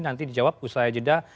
nanti dijawab usaha jeda